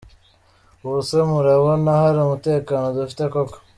Ubu se murabona hari umutekano dufite koko?”.